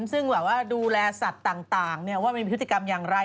ซึ่งแบบว่าดูแลสัตว์ต่างว่ามันมีพฤติกรรมอย่างไร